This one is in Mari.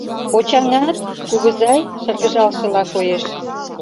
— Почаҥат, кугызай? — шыргыжалшыла коеш.